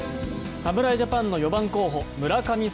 侍ジャパンの４番候補、村神様